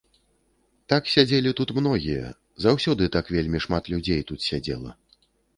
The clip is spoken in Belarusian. Так сядзелі тут многія, заўсёды так вельмі шмат людзей тут сядзела.